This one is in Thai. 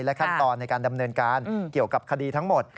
ขั้นตอนในการดำเนินการเกี่ยวกับคดีทั้งหมด